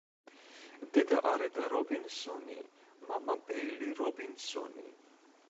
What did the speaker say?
დედა არეტა რობინსონი, მამა ბეილი რობინსონი.